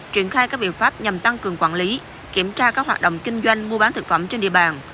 triển khai các biện pháp nhằm tăng cường quản lý kiểm tra các hoạt động kinh doanh mua bán thực phẩm trên địa bàn